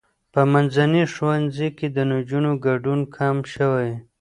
په منځني ښوونځي کې د نجونو ګډون کم شوی.